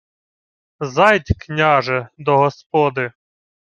— Зайдь, княже, до господи.